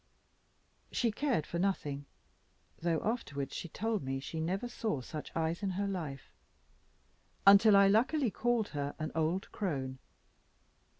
She cared for nothing though afterwards she told me she never saw such eyes in her life until I luckily called her an "old crone."